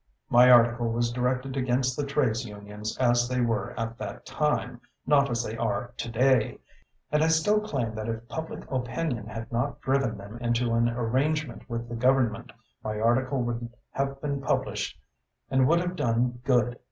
My article was directed against the trades unions as they were at that time, not as they are to day, and I still claim that if public opinion had not driven them into an arrangement with the Government, my article would have been published and would have done good.